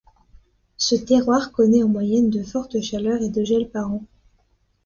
Ce terroir connaît en moyenne de fortes chaleurs et de gel par an.